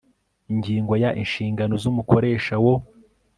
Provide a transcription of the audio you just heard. ingingo ya inshingano z umukoresha wo